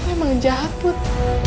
emang jahat put